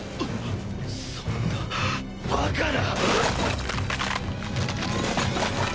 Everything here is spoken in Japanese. そんなバカな！